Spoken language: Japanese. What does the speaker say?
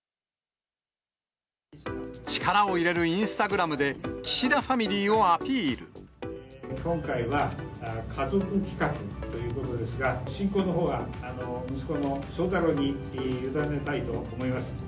力を入れるインスタグラムで、今回は家族企画ということですが、進行のほうは、息子の翔太郎に委ねたいと思います。